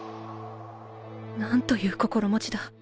なんという心持ちだ。